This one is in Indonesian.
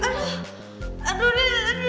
aduh aduh aduh